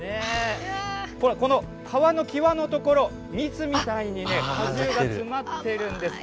これ、この皮の際のところ、蜜みたいにね、果汁が詰まってるんです。